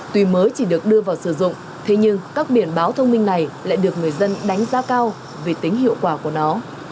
tuy mới chỉ được đưa vào sử dụng thế nhưng các biển báo thông minh này lại được người dân đánh giá cao vì tính hiệu quả của nó